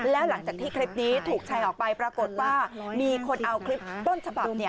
แล้วหลังจากที่คลิปนี้ถูกแชร์ออกไปปรากฏว่ามีคนเอาคลิปต้นฉบับ